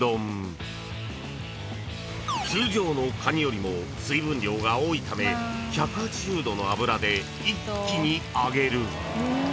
［通常のカニよりも水分量が多いため１８０度の油で一気に揚げる］